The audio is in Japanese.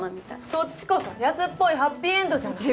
そっちこそ安っぽいハッピーエンドじゃない。